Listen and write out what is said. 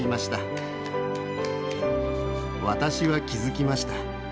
私は気付きました。